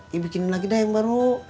ya bikinin lagi deh yang baru